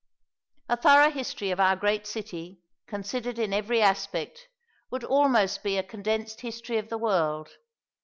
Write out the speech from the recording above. A thorough history of our great city, considered in every aspect, would almost be a condensed history of the world.